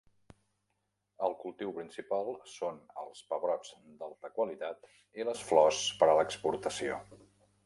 El cultiu principal són els pebrots d'alta qualitat i les flors per a l'exportació.